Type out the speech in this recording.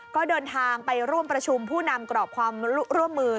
ก็เดินทางไปร่วมประชุมผู้นำกรอบความร่วมมือ